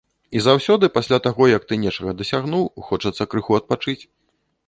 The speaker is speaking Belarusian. І заўсёды пасля таго, як ты нечага дасягнуў, хочацца крыху адпачыць.